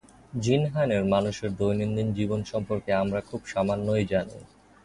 জিনহানের মানুষের দৈনন্দিন জীবন সম্পর্কে আমরা খুব সামান্যই জানি।